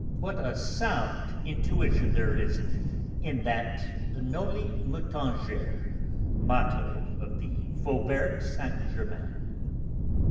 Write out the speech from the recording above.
What a sound intuition there is in that 'Noli me tangere' motto of the Faubourg Saint Germain."